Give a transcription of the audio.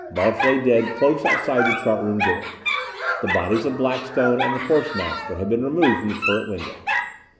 Balch lay dead close outside the chart room door. The bodies of Blackstone and the Course master had been removed from the turret window.